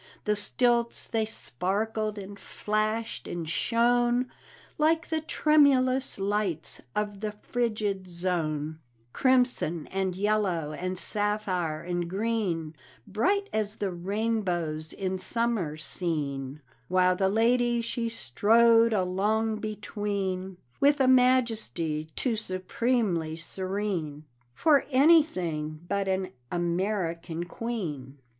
The stilts they sparkled and flashed and shone Like the tremulous lights of the frigid zone, Crimson and yellow and sapphire and green, Bright as the rainbows in summer seen; While the lady she strode along between With a majesty too supremely serene For anything but an American queen.